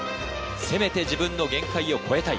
せめて自分の限界を超えたい